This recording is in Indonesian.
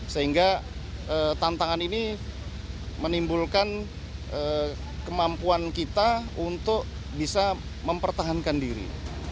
sehingga tantangan ini menimbulkan kemampuan kita untuk bisa mempertahankan diri